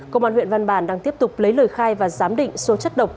công an huyện văn bản đang tiếp tục lấy lời khai và giám định số chất độc